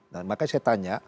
nah makanya saya tanya